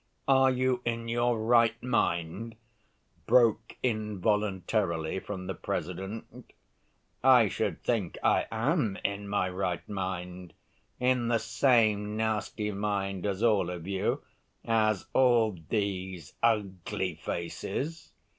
"Are you in your right mind?" broke involuntarily from the President. "I should think I am in my right mind ... in the same nasty mind as all of you ... as all these ... ugly faces."